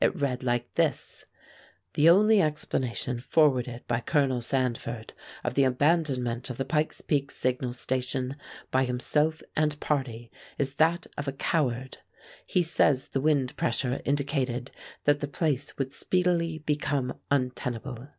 It read like this: "The only explanation forwarded by Colonel Sandford of the abandonment of the Pike's Peak signal station by himself and party is that of a coward. He says the wind pressure indicated that the place would speedily become untenable."